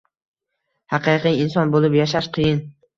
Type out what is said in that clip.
Haqiqiy inson bo‘lib yashash qiyin